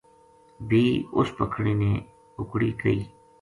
بھی اس پکھنی نے ہُکڑی کئی